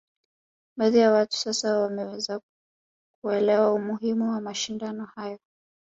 Baadhi ya watu sasa wameweza kuelewa umuhimu wa mashindano hayo